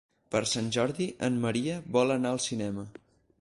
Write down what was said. Per Sant Jordi en Maria vol anar al cinema.